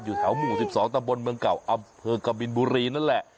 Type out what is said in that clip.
แถวหมู่๑๒ตะบนเมืองเก่าอำเภอกบินบุรีนั่นแหละ